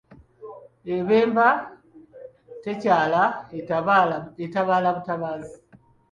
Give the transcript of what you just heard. Ebemba tekyala, etabaala butabaazi.